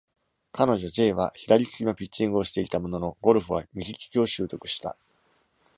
彼女 ｊ は左利きのピッチングをしていたものの、ゴルフは右利きを習得した。